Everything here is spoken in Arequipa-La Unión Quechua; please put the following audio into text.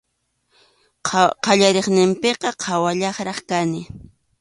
Qallariyninpiqa qhawallaqraq kani.